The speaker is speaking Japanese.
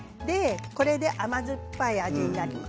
甘酸っぱい味になります。